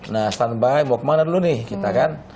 nah standby mau kemana dulu nih kita kan